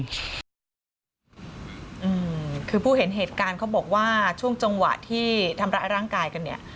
อืมคือผู้เห็นเหตุการณ์เขาบอกว่าช่วงจังหวะที่ทำร้ายร่างกายกันเนี่ย